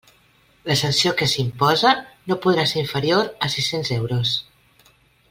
La sanció que s'impose no podrà ser inferior a sis-cents euros.